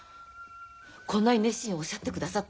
こんなに熱心におっしゃってくださってるんです。